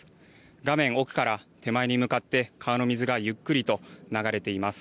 画面奥から手前に向かって川の水がゆっくりと流れています。